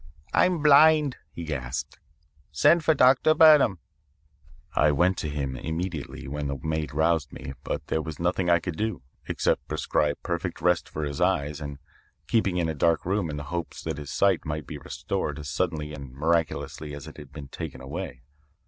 I'm blind,' he gasped. 'Send for Dr. Burnham.' "I went to him immediately when the maid roused me, but there was nothing I could do except prescribe perfect rest for his eyes and keeping in a dark room in the hope that his sight might be restored as suddenly and miraculously as it had been taken away.